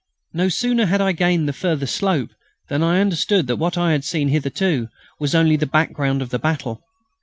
No sooner had I gained the further slope than I understood that what I had seen hitherto was only the background of the battle.